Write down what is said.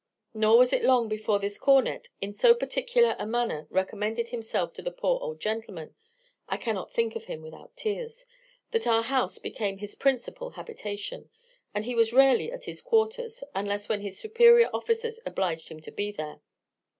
Nor was it long before this cornet in so particular a manner recommended himself to the poor old gentleman (I cannot think of him without tears), that our house became his principal habitation, and he was rarely at his quarters, unless when his superior officers obliged him to be there.